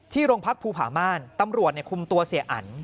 โรงพักภูผาม่านตำรวจคุมตัวเสียอัน